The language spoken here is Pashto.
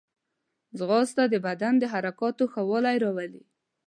ځغاسته د بدن د حرکاتو ښه والی راولي